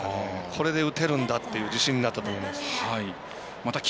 これで打てるんだっていう自信になったと思います。